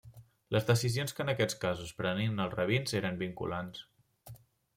Les decisions que en aquests casos prenien els Rabins eren vinculants.